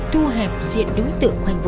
thu hẹp diện đối tượng khoanh vụ